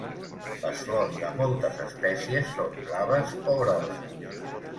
Les flors de moltes espècies són blaves o grogues.